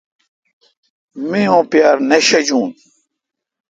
می اں پیار نہ ݭجون۔